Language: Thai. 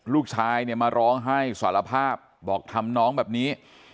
ลูกชายเนี่ยมาร้องให้สารภาพบอกทำน้องแบบนี้